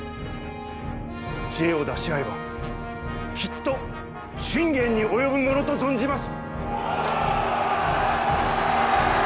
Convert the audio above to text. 知恵を出し合えばきっと信玄に及ぶものと存じます！